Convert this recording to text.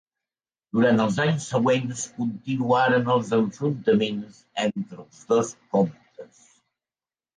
Durant els anys següents continuaren els enfrontaments entre els dos comtes.